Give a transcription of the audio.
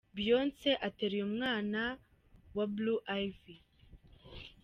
Beyonce ateruye umwana wabo Blue Ivy.